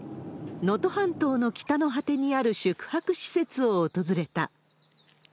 能登半島の北の果てにある宿泊施設を訪れた。